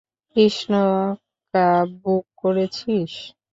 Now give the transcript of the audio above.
Krishna, cab book করেছিস?